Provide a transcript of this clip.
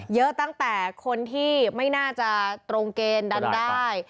เยอะตั้งแต่คนที่ไม่น่าจะตรงเกณฑ์ดันได้